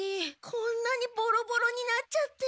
こんなにボロボロになっちゃって。